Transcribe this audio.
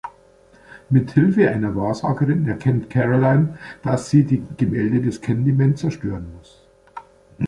Mit Hilfe einer Wahrsagerin erkennt Caroline, dass sie die Gemälde des Candyman zerstören muss.